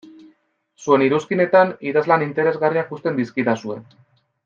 Zuen iruzkinetan idazlan interesgarriak uzten dizkidazue.